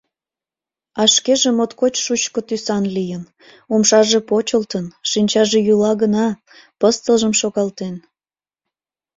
А шкеже моткоч шучко тӱсан лийын: умшаже почылтын, шинчаже йӱла гына, пыстылжым шогалтен.